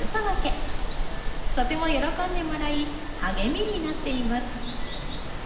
とても喜んでもらい励みになっています。